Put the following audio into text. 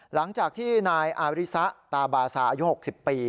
หลังจากที่นายอาริซะตาบาซาอายุ๖๐ปี